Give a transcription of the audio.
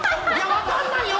分かんないよ！